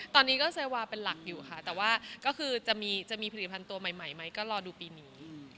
ตอนนี้ก็เซวาเป็นหลักอยู่ค่ะแต่ว่าก็คือจะมีผลิตภัณฑ์ตัวใหม่ไหมก็รอดูปีนี้